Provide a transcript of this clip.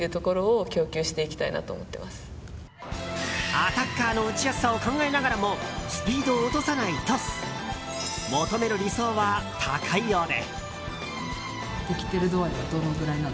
アタッカーの打ちやすさを考えながらもスピードを落とさないトス。求める理想は高いようで。